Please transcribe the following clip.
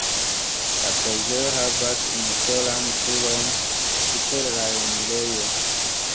La preĝejo havas unusolan turon super la enirejo.